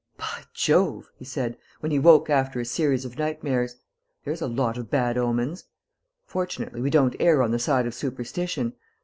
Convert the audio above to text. "By Jove!" he said, when he woke after a series of nightmares. "There's a lot of bad omens! Fortunately, we don't err on the side of superstition.